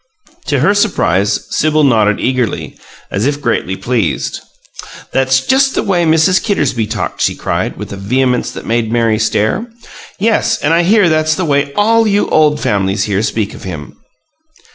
To her surprise, Sibyl nodded eagerly, as if greatly pleased. "That's just the way Mrs. Kittersby talked!" she cried, with a vehemence that made Mary stare. "Yes, and I hear that's the way ALL you old families here speak of him!"